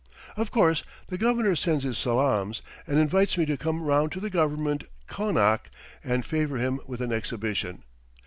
Of course, the Governor sends his salaams, and invites me to come round to the government konak and favor him with an exhibition.